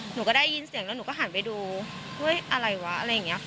หนูก็ได้ยินเสียงแล้วหนูก็หันไปดูเฮ้ยอะไรวะอะไรอย่างนี้ค่ะ